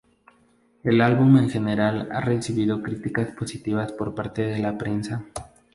El álbum en general ha recibido críticas positivas por parte de la prensa.